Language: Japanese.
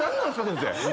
先生。